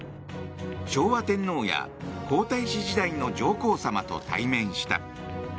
昭和天皇や、皇太子時代の上皇さまと対面した。